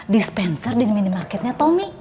dispenser di minimarketnya tomi